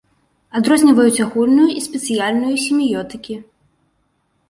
Адрозніваюць агульную і спецыяльную семіётыкі.